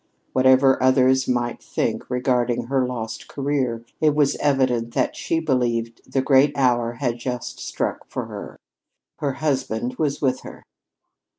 Whatever others might think regarding her lost career, it was evident that she believed the great hour had just struck for her. Her husband was with her.